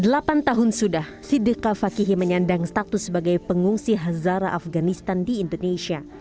delapan tahun sudah sideka fakihi menyandang status sebagai pengungsi hazara afganistan di indonesia